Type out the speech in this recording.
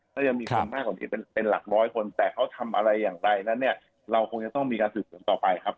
ถ้ายังมีคนมากกว่านี้เป็นหลักร้อยคนแต่เขาทำอะไรอย่างไรนั้นเนี่ยเราคงจะต้องมีการสืบสวนต่อไปครับ